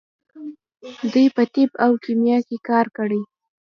دوی په طب او کیمیا کې کار کړی.